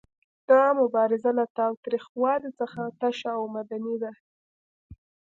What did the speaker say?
دا مبارزه له تاوتریخوالي څخه تشه او مدني ده.